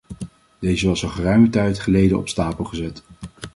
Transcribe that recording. Deze was al geruime tijd geleden op stapel gezet.